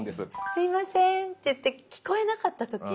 「すいません」って言って聞こえなかった時。